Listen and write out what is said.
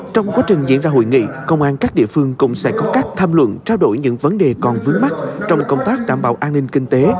trong quá trình diễn ra hội nghị công an các địa phương cũng sẽ có các tham luận trao đổi những vấn đề còn vướng mắt trong công tác đảm bảo an ninh kinh tế